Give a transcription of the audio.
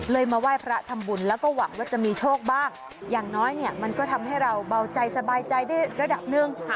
มาไหว้พระทำบุญแล้วก็หวังว่าจะมีโชคบ้างอย่างน้อยเนี่ยมันก็ทำให้เราเบาใจสบายใจได้ระดับหนึ่ง